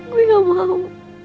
gue gak mau